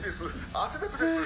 汗だくです